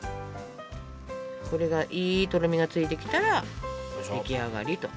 これがいいとろみがついてきたら出来上がりと。